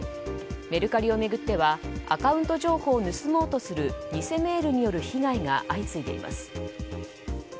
メルカリを巡ってはアカウント情報を盗もうとする偽メールによる被害が相次いでいます。